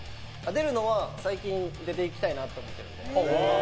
出るのは、最近出て行きたいなと思っていて。